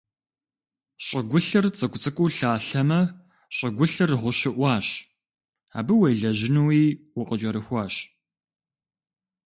ЩӀыгулъыр цӀыкӀу-цӀыкӀуу лъалъэмэ, щӀыгулъыр гъущыӀуащ, абы уелэжьынуи укъыкӀэрыхуащ.